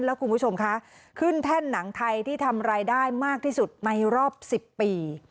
แล้วคุณผู้ชมคะขึ้นแท่นหนังไทยที่ทำรายได้มากที่สุดในรอบ๑๐ปี